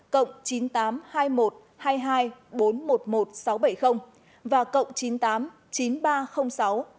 cộng chín nghìn tám trăm hai mươi một hai mươi hai bốn trăm một mươi một sáu trăm bảy mươi và cộng chín mươi tám chín nghìn ba trăm linh sáu bốn trăm năm mươi chín tám trăm sáu mươi năm